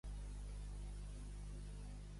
Un camp llaurat que punta de rella no hi ha tocat.